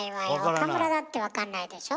岡村だって分かんないでしょ？